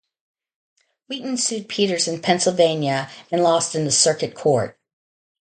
Wheaton sued Peters in Pennsylvania and lost in the circuit court.